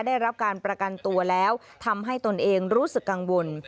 ได้รับการประกันตัวแล้วทำให้ตนเองรู้สึกกังวล